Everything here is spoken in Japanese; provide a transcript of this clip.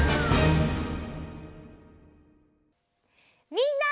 みんな！